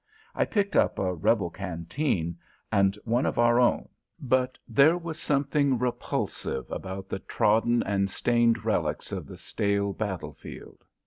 I picked up a Rebel canteen, and one of our own, but there was something repulsive about the trodden and stained relics of the stale battle field.